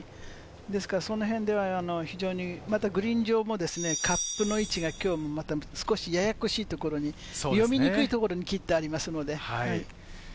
ですからそのへんで非常にグリーン上もカップの位置が今日もまた少しややこしいところに読みにくいところに切ってありますので。